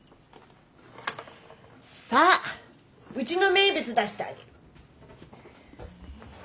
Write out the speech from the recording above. さあうちの名物出してあげる。